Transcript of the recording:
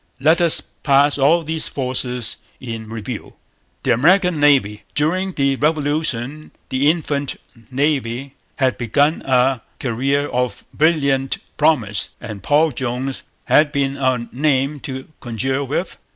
Let us pass all these forces in review. The American Navy. During the Revolution the infant Navy had begun a career of brilliant promise; and Paul Jones had been a name to conjure with.